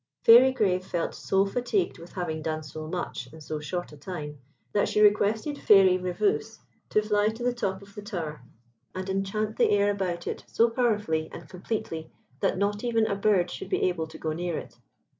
Fairy Grave felt so fatigued with having done so much in so short a time, that she requested Fairy Rèveuse to fly to the top of the tower and enchant the air about it so powerfully and completely that not even a bird should be able to go near it.